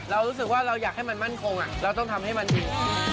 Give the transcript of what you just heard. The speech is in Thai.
เรารู้สึกว่าเราอยากให้มันมั่นคงเราต้องทำให้มันอยู่